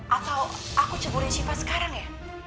atau aku ceburin syifa sekarang ya